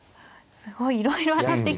すごいいろいろ当たってきてますね